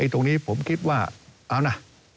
ตรงนี้ผมคิดว่าเอานะ